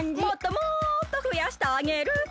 もっともっとふやしてあげる。